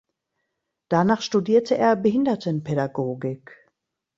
Danach studierte er Behindertenpädagogik.